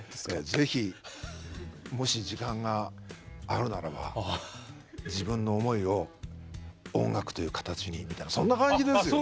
是非もし時間があるならば自分の思いを音楽という形にみたいなそんな感じですよ。